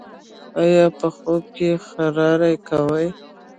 ایا په خوب کې خراری کوئ؟